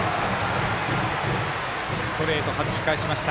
ストレートをはじき返しました。